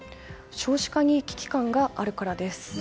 少子化に危機感があるからです。